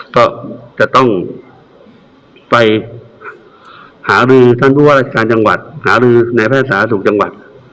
ก็จะต้องไปหารือท่านพูดว่ารักษาจังหวัดหารือในพระธรรมสาธารณะศุกรจังหวัด